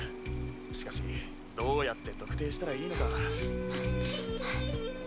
しかしどうやって特定したらいいのか。